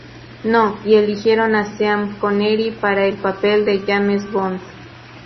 No", y eligieron a Sean Connery para el papel de James Bond.